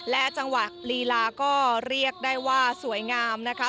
และจังหวะลีลาก็เรียกได้ว่าสวยงามนะคะ